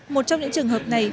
một trong những trường hợp này